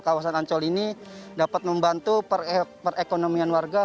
kawasan ancol ini dapat membantu perekonomian warga